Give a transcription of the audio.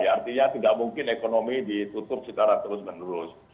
artinya tidak mungkin ekonomi ditutup secara terus menerus